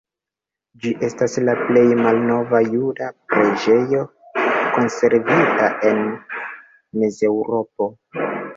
Ĝi estas la plej malnova juda preĝejo konservita en Mezeŭropo.